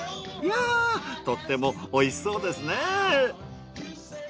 いやぁとっても美味しそうですね！